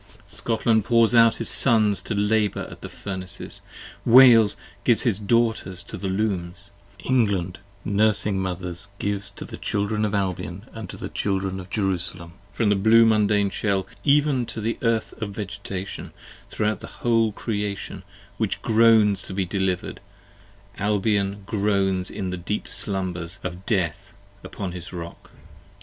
Scotland pours out his Sons to labour at the Furnaces: Wales gives his Daughters to the Looms; England, nursing Mothers Gives to the Children of Albion & to the Children of Jerusalem. 25 From the blue Mundane Shell even to the Earth of Vegetation, Throughout the whole Creation which groans to be deliver'd, Albion groans in the deep slumbers of Death upon his Rock.